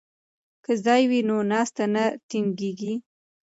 که ځای وي نو ناسته نه تنګیږي.